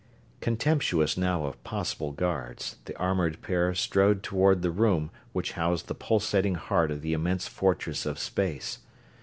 Contemptuous now of possible guards, the armored pair strode toward the room which housed the pulsating heart of the immense fortress of space.